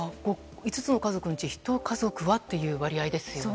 ５つの家族のうち１家族はという割合ですね。